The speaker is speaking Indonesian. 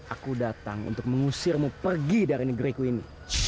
aku datang untuk mengusirmu pergi dari negeriku ini